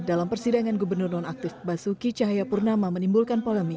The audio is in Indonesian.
dalam persidangan gubernur non aktif basuki cahapurnama menimbulkan polemik